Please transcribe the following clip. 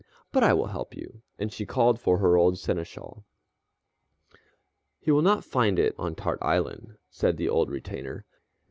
But I will help you," and she called for her old seneschal. "He will not find it on Tart Island," said the old retainer.